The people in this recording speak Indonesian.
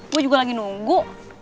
gue juga lagi nunggu